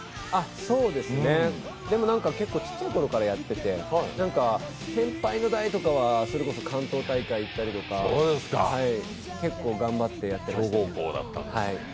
そうですね、でもちっちゃい頃からやってて先輩の代とかは、それこそ関東大会に行ったりとか、結構頑張ってやっていましたね。